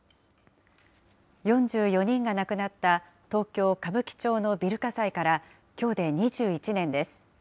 ４４人が亡くなった東京・歌舞伎町のビル火災から、きょうで２１年です。